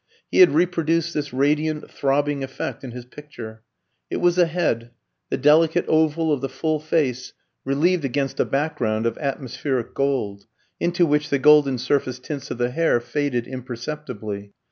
He had reproduced this radiant, throbbing effect in his picture. It was a head, the delicate oval of the full face relieved against a background of atmospheric gold into which the golden surface tints of the hair faded imperceptibly.